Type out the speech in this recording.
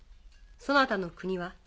そなたの国は？